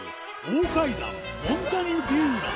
大階段